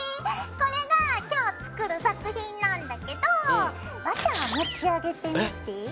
これが今日作る作品なんだけどバター持ち上げてみて。